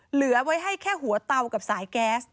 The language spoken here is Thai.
เหลือไว้ให้แค่หัวเตากับสายแก๊ส